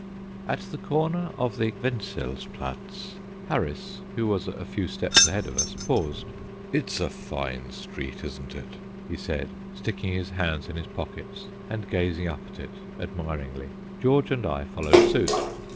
At the corner of the Wenzelsplatz, Harris, who was a few steps ahead of us, paused. "It's a fine street, isn't it?" he said, sticking his hands in his pockets, and gazing up at it admiringly. George and I followed suit.